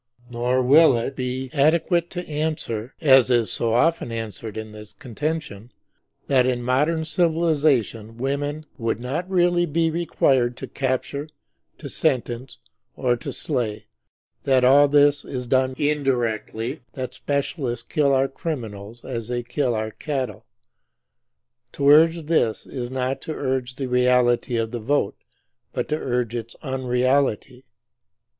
Nor will it be adequate to answer (as is so often answered to this contention) that in modern civilization women would not really be required to capture, to sentence, or to slay; that all this is done indirectly, that specialists kill our criminals as they kill our cattle. To urge this is not to urge the reality of the vote, but to urge its unreality.